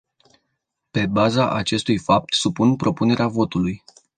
Pe baza acestui fapt, supun propunerea votului.